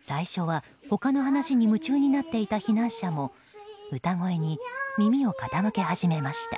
最初は他の話に夢中になっていた避難者も歌声に耳を傾け始めました。